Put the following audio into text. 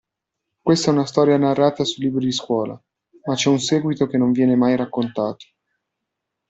Questa è una storia narrata sui libri di scuola, ma c'è un seguito che non viene mai raccontato.